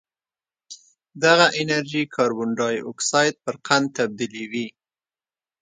دغه انرژي کاربن ډای اکسایډ پر قند تبدیلوي